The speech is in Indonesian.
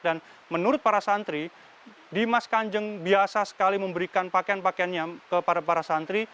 dan menurut para santri dimas kanjeng biasa sekali memberikan pakaian pakaiannya kepada para santri